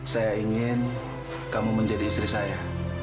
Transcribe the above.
saya ingin kamu menjadi istri saya